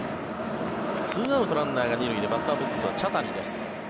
２アウトランナーが２塁でバッターボックスは茶谷です。